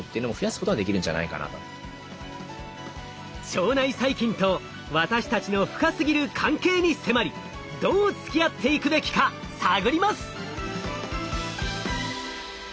腸内細菌と私たちの深すぎる関係に迫りどうつきあっていくべきか探ります。